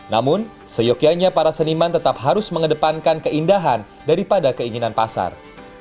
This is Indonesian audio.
namun seyokianya para seniman tetap harus mengedepankan keindahan daripada keinginan pasar